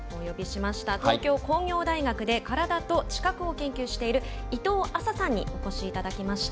東京工業大学で体と知覚を研究している伊藤亜紗さんにお越しいただきました。